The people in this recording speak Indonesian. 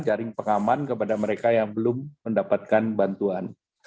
jaring pengaman kepada mereka yang belum mendapatkan bantuan